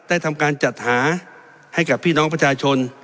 ทำการจัดหาให้กับพี่น้องประชาชน